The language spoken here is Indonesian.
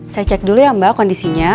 saya cek dulu ya mbak kondisinya